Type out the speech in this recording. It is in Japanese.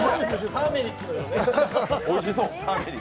ターメリックのね。